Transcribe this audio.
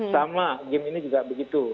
sama game ini juga begitu